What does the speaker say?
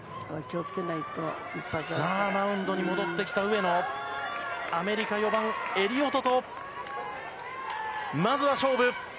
マウンドに戻ってきた上野アメリカ、４番エリオトとまずは勝負。